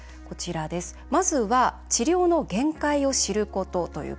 まずは、治療の限界を知ること。